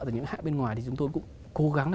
ở những hãng bên ngoài thì chúng tôi cũng cố gắng